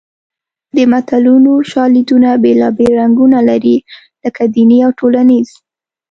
د متلونو شالیدونه بېلابېل رنګونه لري لکه دیني او ټولنیز